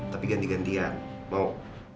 tapi ganti gantian mau